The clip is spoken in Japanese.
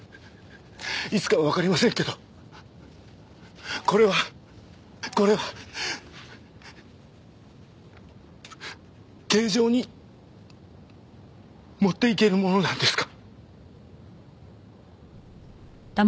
いつかはわかりませんけどこれはこれは刑場に持っていけるものなんですか？